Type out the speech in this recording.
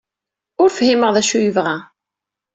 Ur fhimeɣ d acu ay yebɣa.